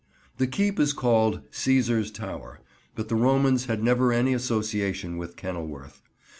The keep is called "Cæsar's Tower," but the Romans had never any association with Kenilworth.